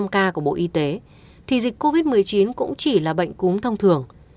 năm ca của bộ y tế thì dịch covid một mươi chín cũng chỉ là bệnh cúm thông thường